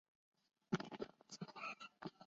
县名来自波尼族印第安人。